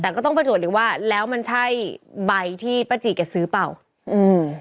แต่ก็ต้องประจวดอีกว่าแล้วมันใช่ใบที่ป้าจีแกซื้อเปล่าอืม